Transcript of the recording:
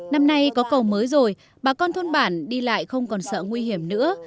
năm nay có cầu mới rồi bà con thôn bản đi lại không còn sợ nguy hiểm nữa